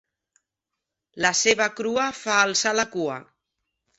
La ceba crua fa alçar la cua.